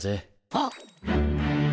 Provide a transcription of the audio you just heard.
あっ。